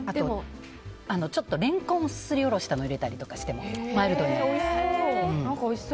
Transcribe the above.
ちょっとレンコンをすりおろしたのを入れたりしてもマイルドになる。